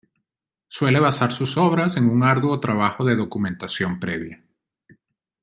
Suele basar sus obras en un arduo trabajo de documentación previa.